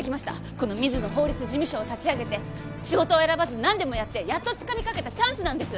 この水野法律事務所を立ち上げて仕事を選ばず何でもやってやっとつかみかけたチャンスなんです